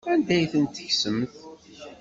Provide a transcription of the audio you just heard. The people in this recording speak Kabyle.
Anda ay ten-tekksemt?